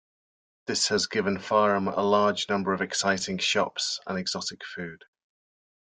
This has given Farum a large number of exciting shops and exotic food.